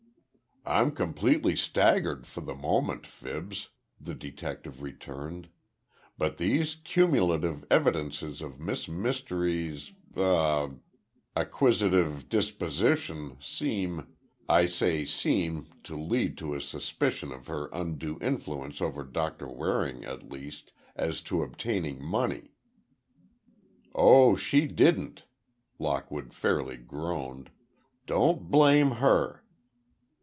"I'm completely staggered for the moment. Fibs," the detective returned, "but these cumulative evidences of Miss Mystery's—er—acquisitive disposition, seem—I say seem to lead to a suspicion of her undue influence over Doctor Waring, at least, as to obtaining money." "Oh, she didn't!" Lockwood fairly groaned. "Don't blame her!